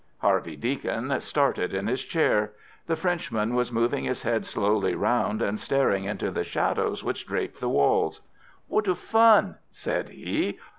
Harvey Deacon started in his chair. The Frenchman was moving his head slowly round and staring into the shadows which draped the walls. "What a fun!" said he.